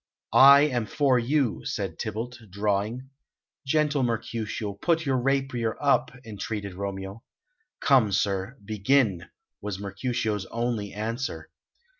"I am for you," said Tybalt, drawing. "Gentle Mercutio, put your rapier up," entreated Romeo. "Come, sir, begin," was Mercutio's only answer.